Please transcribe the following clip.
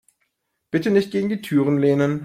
Bitte nicht gegen die Türen lehnen.